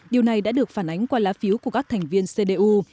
điều này đã được phản ánh qua lá phiếu của các thành viên cdu